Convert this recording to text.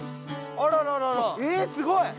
あららら、すごい。